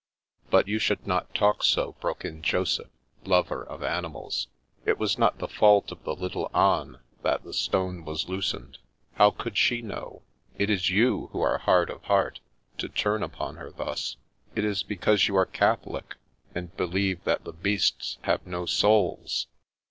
"But you should not talk so," broke in Joseph, lover of animals. " It was not the fault of the little ane that the stone was loosened. How could she know? It is you who are hard of heart, to turn upon her thus. It is because you are Catholic, and believe that the beasts have no souls."